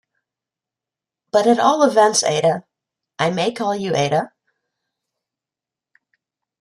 But at all events, Ada — I may call you Ada?